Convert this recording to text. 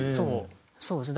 そうですね。